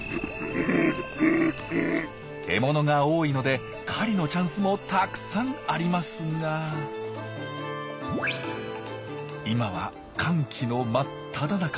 獲物が多いので狩りのチャンスもたくさんありますが今は乾季の真っただ中。